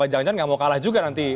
jangan jangan nggak mau kalah juga nanti